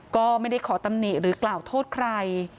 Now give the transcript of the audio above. ก็ไม่ได้ขอตำหนิหรือกล่าวโทษใคร